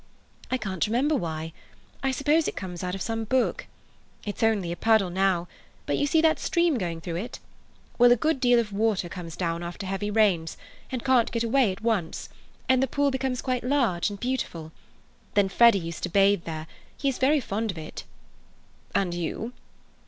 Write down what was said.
"I can't remember why. I suppose it comes out of some book. It's only a puddle now, but you see that stream going through it? Well, a good deal of water comes down after heavy rains, and can't get away at once, and the pool becomes quite large and beautiful. Then Freddy used to bathe there. He is very fond of it." "And you?"